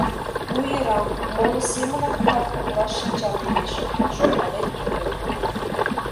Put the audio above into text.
«Ну йӧра, моло семынак парт коклаш шинчам лиеш, — шонкален тудо.